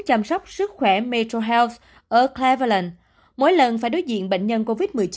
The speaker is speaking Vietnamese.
chăm sóc sức khỏe metrohealth ở cleveland mỗi lần phải đối diện bệnh nhân covid một mươi chín